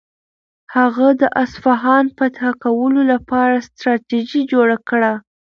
هغه د اصفهان فتح کولو لپاره ستراتیژي جوړه کړه.